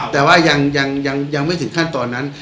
แต่ว่ายังไม่ถึงขั้นตอนนั้น